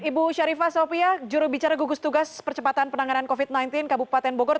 ibu sharifah sofia jurubicara gugus tugas percepatan penanganan covid sembilan belas kabupaten bogor